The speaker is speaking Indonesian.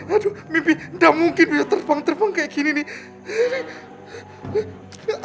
aduh mimpi gak mungkin bisa terbang terbang kayak gini nih